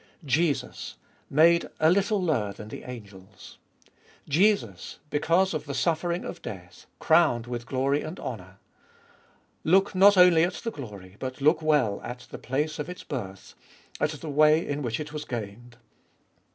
1. Jesus, made a little lower than the angels. Jesus, because of the suffering of death, crowned with glory and honour. Look not only at the glory, but look well at the place of its birth, at the way in which it was gained.